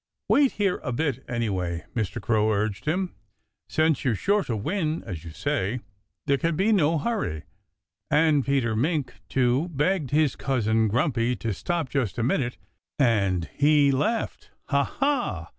"Wait here a bit, anyhow!" Mr. Crow urged him. "Since you're sure to win as you say there can be no hurry." And Peter Mink too begged his cousin Grumpy to stop just a minute. And he laughed, "Ha, ha!"